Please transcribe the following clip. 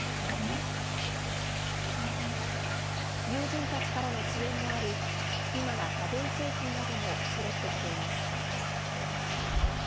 友人たちからの支援もあり、今は家電製品などもそろってきています。